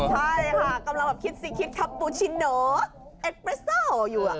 ใช่ค่ะกำลังแบบคิดสิคิดคับปูชิโนเอ็ดเปรเซอร์อยู่